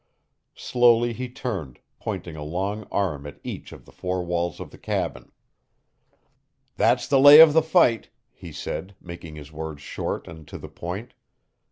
Slowly he turned, pointing a long arm at each of the four walls of the cabin. "That's the lay of the fight," he said, making his words short and to the point.